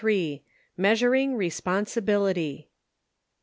MEASURING RESPONSIBILITY.